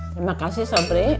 terima kasih sobri